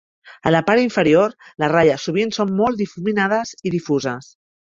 A la part inferior les ratlles sovint són molt difuminades i difuses.